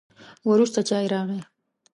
وروسته چای راغی.